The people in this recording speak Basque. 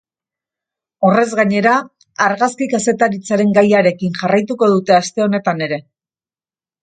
Horrez gainera, argazki kazetaritzaren gaiarekin jarraituko dute aste honetan ere.